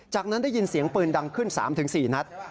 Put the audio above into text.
จากนั้นได้ยินเสียงปืนดังขึ้น๓๔นัด